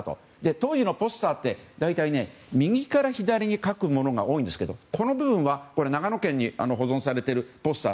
当時のポスターって大体右から左に書くものが多いんですけどこの部分は長野県に保存されているポスター。